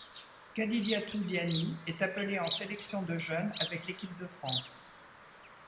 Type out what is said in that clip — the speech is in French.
Kadidiatou Diani est appelée en sélections de jeunes avec l’équipe de France.